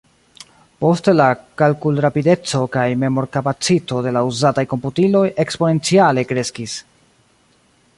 Poste la kalkulrapideco kaj memorkapacito de la uzataj komputiloj eksponenciale kreskis.